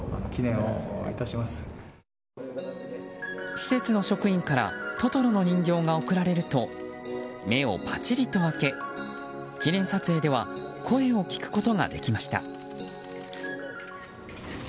施設の職員からトトロの人形が贈られると目をぱちりと開け、記念撮影では声を聞くことができました。